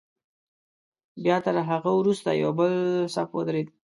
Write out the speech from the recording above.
بیا تر هغه وروسته یو بل صف ودرېد.